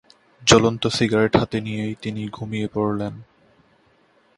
জ্বলন্ত সিগারেট হাতে নিয়েই তিনি ঘুমিয়ে পড়লেন।